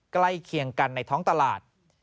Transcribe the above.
ใกล้เคียงกันในท้องตลาด